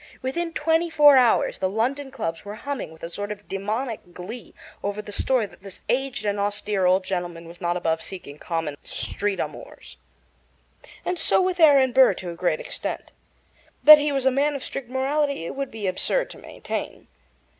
Within twenty four hours the London clubs were humming with a sort of demoniac glee over the story that this aged and austere old gentleman was not above seeking common street amours. And so with Aaron Burr to a great extent. That he was a man of strict morality it would be absurd to maintain.